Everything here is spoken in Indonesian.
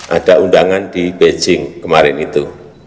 ada undangan di beijing kemarin itu